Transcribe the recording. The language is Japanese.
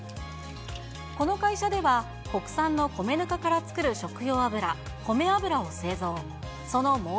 この会社では、国産の米ぬかから作る食用油、こめ油を製造。